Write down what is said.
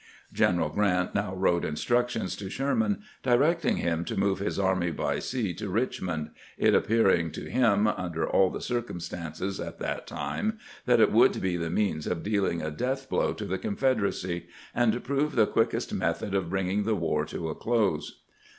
G eneral Q rant now wrote instructions to Sherman directing him to move his army by sea to Richmond, it appearing to him, under all the circumstances at that time, that it would be the means of dealing a death blow to the Confederacy, and prove the quickest method of bringing the war to a close.